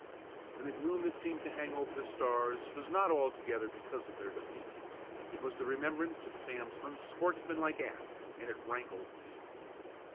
And the gloom that seemed to hang over the Stars was not altogether because of their defeat. It was the remembrance of Sam's unsportsmanlike act, and it rankled deep.